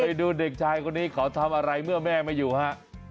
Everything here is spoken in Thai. ไปดูเด็กชายคนนี้เขาทำอะไรเมื่อแม่ไม่อยู่ฮะ